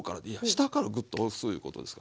下からグッと押すいうことですかね。